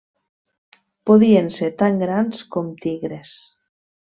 Podien ser tan grans com tigres.